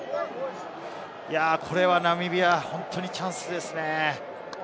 これはナミビア、本当にチャンスですね。